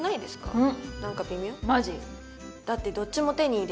うん？